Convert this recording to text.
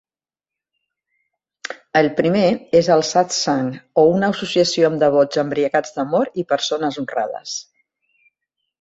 El primer és el "satsang" o una associació amb devots embriagats d"amor i persones honrades.